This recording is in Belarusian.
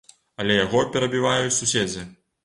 Але яго перабіваюць суседзі.